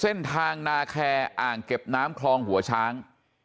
เส้นทางนาแคร์อ่างเก็บน้ำคลองหัวช้าง